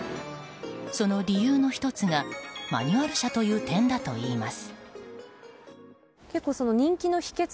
その理由の１つがマニュアル車という点だといいます。